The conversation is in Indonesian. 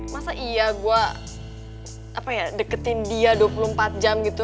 masa iya gue apa ya deketin dia dua puluh empat jam gitu